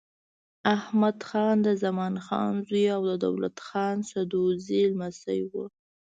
احمدخان د زمان خان زوی او د دولت خان سدوزايي لمسی و.